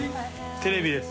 テレビです。